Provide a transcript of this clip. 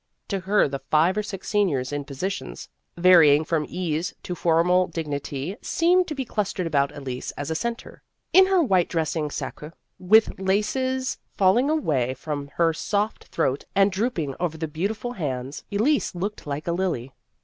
To her the five or six seniors in positions varying from ease to formal dignity seemed to be clustered about Elise as a centre. In her white dressing sacque with laces falling away from her soft throat and drooping over the beautiful hands, Elise looked like a lily.